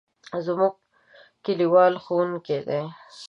زموږ کلیوال ښوونکی دی.